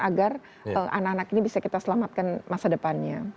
agar anak anak ini bisa kita selamatkan masa depannya